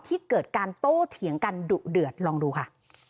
ที่เกิดการโต้เถียงกันดุเดือดลองดูค่ะ